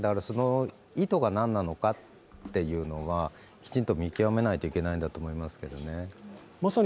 その意図が何なのかというのをきちんと見極めないといけないんだと思いますけどね。